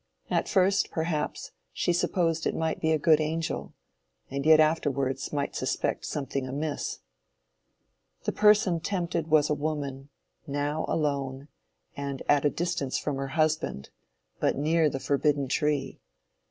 At first, perhaps, she supposed it might be a good angel, and yet afterwards might suspect something amiss. The person tempted was a woman, now alone, and at a distance from her husband, but near the forbidden tree.